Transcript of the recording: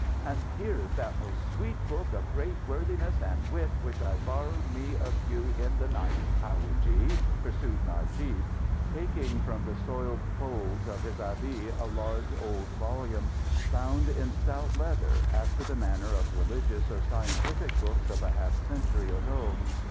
"And here is that most sweet book of great worthiness and wit, which I borrowed me of you in the night, howadji," pursued Najib, taking from the soiled folds of his abieh a large old volume, bound in stout leather, after the manner of religious or scientific books of a half century ago.